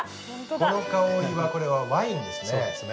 この香りはこれはワインですね。